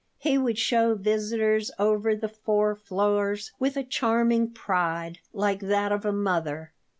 He would show visitors over the four floors with a charming pride, like that of a mother.